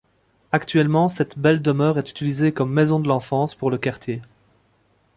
Actuellement cette belle demeure est utilisée comme Maison de l'enfance pour le quartier.